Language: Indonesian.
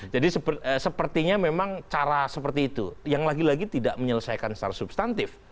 jadi sepertinya memang cara seperti itu yang lagi lagi tidak menyelesaikan secara substantif